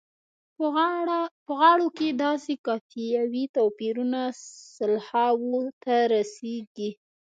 په غاړو کې داسې قافیوي توپیرونه سلهاوو ته رسیږي.